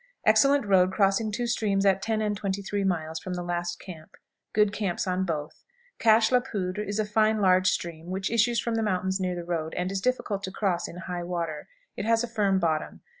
Excellent road crossing two streams at ten and twenty three miles from the last camp; good camps on both. Cashe la Poudre is a fine large stream which issues from the mountains near the road, and is difficult to cross in high water. It has a firm bottom.